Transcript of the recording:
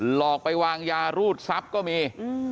หลอกไปวางยารูดทรัพย์ก็มี